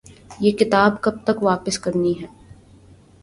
یہ کتاب کب تک واپس کرنی ہے؟